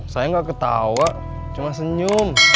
saya nggak ketawa cuma senyum